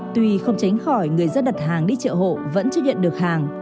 tuy không tránh khỏi người dân đặt hàng đi chợ hộ vẫn chưa nhận được hàng